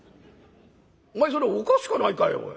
お前それおかしかないかい？